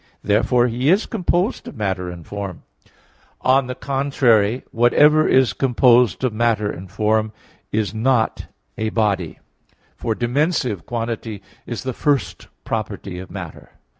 Therefore He is composed of matter and form. On the contrary, Whatever is composed of matter and form is a body; for dimensive quantity is the first property of matter.